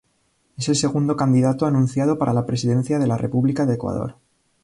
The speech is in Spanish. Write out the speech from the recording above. Es el segundo candidato anunciado para la presidencia de la República del Ecuador.